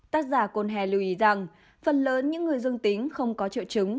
tác giả côn hè lưu ý rằng phần lớn những người dương tính không có triệu chứng